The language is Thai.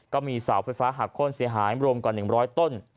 ก็มีเสาไฟฟ้าหักโค้นเสียหายรวมกว่า๑๐๐ต้น